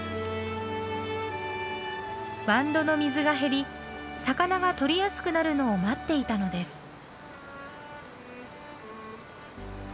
ワンドの水が減り魚が取りやすくなるのを待っていたのです。